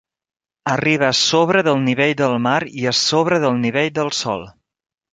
Arriba a sobre del nivell del mar i a sobre del nivell del sòl.